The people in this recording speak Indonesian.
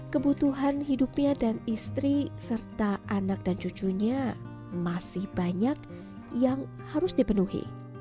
kebutuhan hidupnya dan istri serta anak dan cucunya masih banyak yang harus dipenuhi